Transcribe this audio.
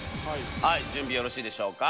はい準備よろしいでしょうか？